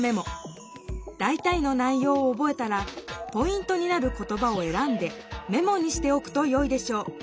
だいたいの内ようをおぼえたらポイントになる言ばをえらんでメモにしておくとよいでしょう。